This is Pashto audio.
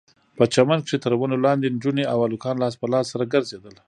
په چمن کښې تر ونو لاندې نجونې او هلکان لاس په لاس سره ګرځېدل.